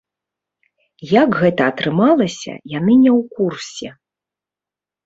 Як гэта атрымалася, яны не ў курсе.